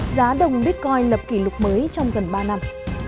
giá đồng bitcoin lập kỷ lục mới trong gần ba năm